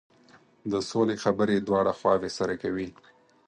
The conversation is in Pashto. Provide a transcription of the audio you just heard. د سولې خبرې دواړه خواوې سره کوي.